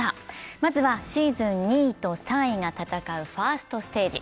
まずはシーズン２位と３位が戦うファーストステージ。